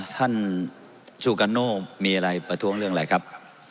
ท่านชูกันโน่มีอะไรประท้วงเรื่องอะไรครับ